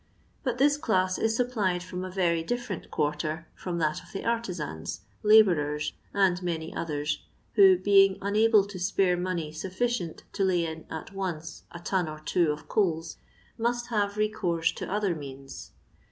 But this class is supplied from a very different quarter firom that of the artisans, la bourers, and many others, who, being unable to spare money snfiicient to lay. in at once a ton or two of coals, must have recourse to other means.